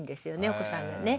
お子さんがね。